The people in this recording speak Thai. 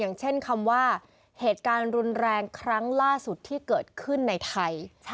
อย่างเช่นคำว่าเหตุการณ์รุนแรงครั้งล่าสุดที่เกิดขึ้นในไทย